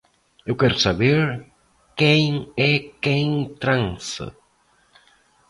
Eu quero saber, quem é quem transa